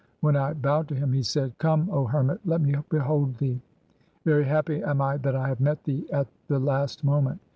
When I bowed to him he said, " Come, O hermit, let me behold thee. Very happy am I that I have met thee at the last moment."